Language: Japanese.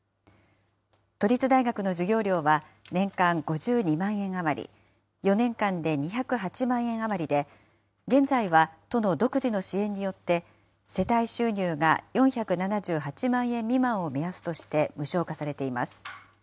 都立大学の授業料は年間５２万円余り、４年間で２０８万円余りで、現在は都の独自の支援によって、世帯収入が４７８万円未満を目安として無償化されています。